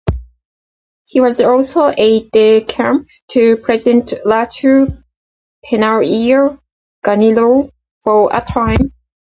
He was also aide-de-camp to President Ratu Penaia Ganilau for a time.